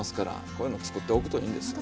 こういうの作っておくといいんです。